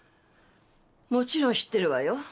もちろん知ってるわよ。